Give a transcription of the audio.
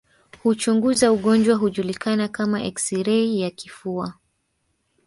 Huchunguza ugonjwa hujulikana kama eksirei ya kifua